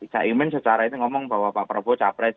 kak iman secara ini ngomong bahwa pak prabowo capres